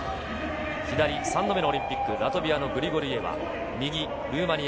左３度目のオリンピック、ラトビアのグリゴルイエワ右、ルーマニア。